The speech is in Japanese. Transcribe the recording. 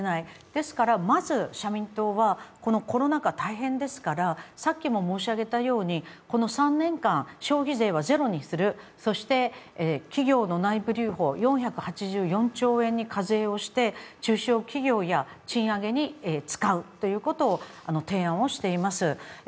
ですからまず、社民党はこのコロナ禍大変ですから、この３年間、消費税は０にするそして、企業の内部留保４８４兆円に課税をして中小企業や賃上げに使うということを提案をしています。